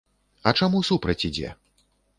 А чаму супраць ідзе?